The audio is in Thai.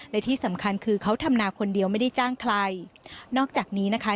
และที่สำคัญคือเขาทำนาคนเดียวไม่ได้จ้างใครนอกจากนี้นะคะ